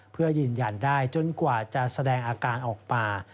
เพื่อยืนยันได้จนกว่าจะแสดงอาการออกมา